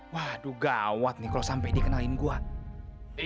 waduh gawat nih kalau sampai dikenalin gue